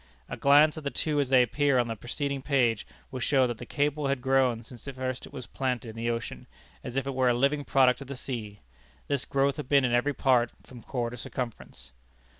A glance at the two as they appear on the preceding page will show that the cable had grown since first it was planted in the ocean, as if it were a living product of the sea. This growth had been in every part, from core to circumference.